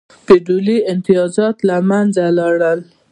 فیوډالي امتیازات له منځه لاړل.